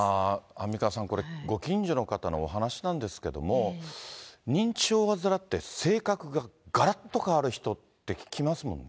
アンミカさん、これ、ご近所の方のお話なんですけども、認知症を患って、性格ががらっと変わる人って聞きますもんね。